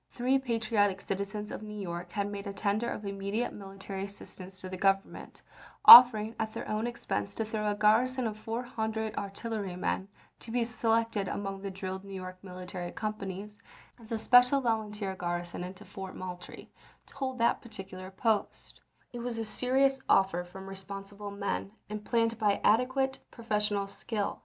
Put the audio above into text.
Three patriotic citizens of New York had made a tender of immediate military §n^™}|£ assistance to the Government, offering at their own Ha ^r joim' expense to throw a garrison of four hundred artil ED?wson,8' lerymen, to be selected from among the drilled New see "so York military companies, as a special volunteer to the prU V, ,"»,.,,\ i .1 iclent, Dec. garrison into Fort Moultrie, to hold that particular w31^186^ 0l post. It was a serious offer from responsible men, L> p 119 and planned by adequate professional skill.